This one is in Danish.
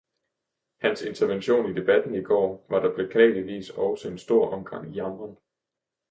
Hans intervention i debatten i går var da beklageligvis også en stor omgang jamren.